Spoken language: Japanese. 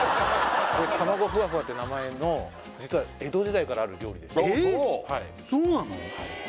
「たまごふわふわ」って名前の実は江戸時代からある料理ですえそうなの！？